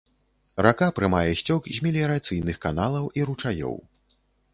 Рака прымае сцёк з меліярацыйных каналаў і ручаёў.